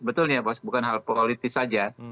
betul ya pak bukan hal politis saja